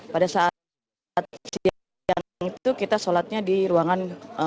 pada saat siang itu kita sholatnya di ruangan